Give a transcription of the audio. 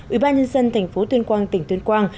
ủy ban nhân dân tp tuyên quang tỉnh tuyên quang